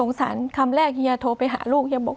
สงสัยคำแรกเฮียโทรไปหาลูก